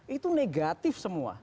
itu negatif semua